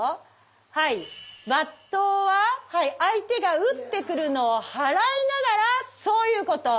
はい抜刀は相手が打ってくるのを払いながらそういうこと。